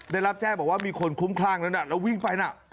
ได้รับแจ้งบอกว่ามีคนคุ้มคลั่งนั้นแล้ววิ่งไปน่ะ